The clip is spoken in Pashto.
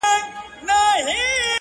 نه په یوې نه غوبل کي سرګردان وو -